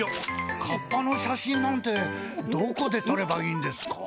「カッパの写真」なんてどこでとればいいんですか？